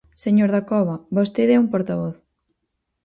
Señor Dacova, vostede é un portavoz.